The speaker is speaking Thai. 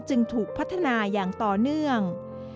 จึงถูกพัฒนาอย่างต่อเนื่อง